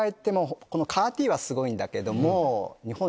ＣＡＲ−Ｔはすごいんだけど。